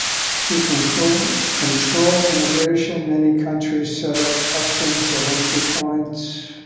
To control immigration, many countries set up customs at entry points.